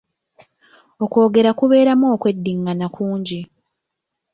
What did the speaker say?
Okwogera kubeeramu okweddingana kungi.